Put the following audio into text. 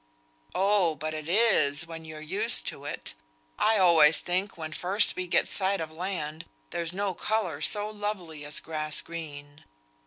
"Oh! but it is when you're used to it. I always think when first we get sight of land, there's no colour so lovely as grass green.